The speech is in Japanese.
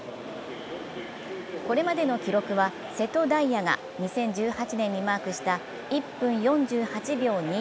これまでの記録は瀬戸大也が２０１８年にマークした１分４８秒２４。